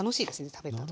食べた時。